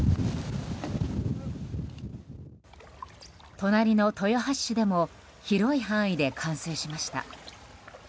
隣の豊橋市でも広い範囲で冠水しました。